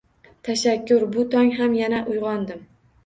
Tashakkur, bu tong ham yana uyg‘ondim!